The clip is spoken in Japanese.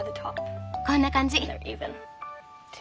こんな感じ。